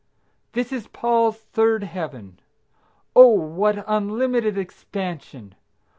This is Paul's third heaven. Oh! what unlimited expansion!